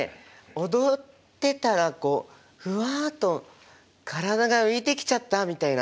踊ってたらふわっと体が浮いてきちゃったみたいな。